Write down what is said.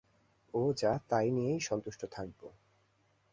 ও যা তাই নিয়েই সন্তুষ্ট থাকব।